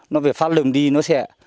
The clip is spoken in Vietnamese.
nó về phát rừng đi nó sẽ